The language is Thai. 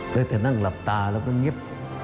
ได้แต่นั่งหลับตาแล้วก็เงียบ